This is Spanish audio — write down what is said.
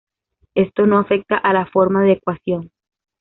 Esto no afecta a la forma de ecuación.